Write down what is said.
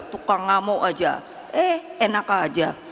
tukang ngamuk aja eh enak aja